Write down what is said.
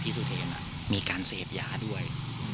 พี่สุเทรฯมีการเสพยาด้วย